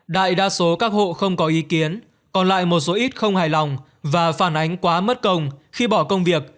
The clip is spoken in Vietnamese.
đại đa số các hộ không có ý kiến còn lại một số ít không hài lòng và phản ánh quá mất công khi bỏ công việc